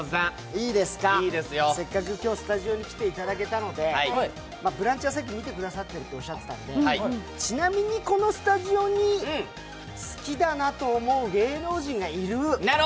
いいですか、せっかく今日スタジオに来ていただけたので「ブランチ」はさっき見てくださっているとおっしゃっていたのでちなみに、このスタジオに好きだなと思う芸能人がいる？